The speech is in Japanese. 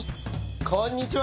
こんにちは！